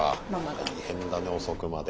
大変だね遅くまで。